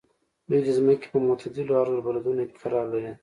دوی د ځمکې په معتدلو عرض البلدونو کې قرار لري.